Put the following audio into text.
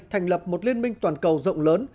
thành lập một liên minh toàn cầu rộng lớn